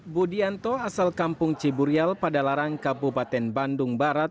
budianto asal kampung ciburial pada larang kabupaten bandung barat